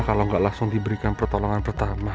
kalau nggak langsung diberikan pertolongan pertama